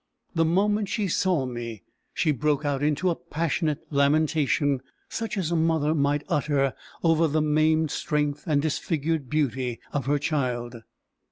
The moment she saw me, she broke out into a passionate lamentation such as a mother might utter over the maimed strength and disfigured beauty of her child.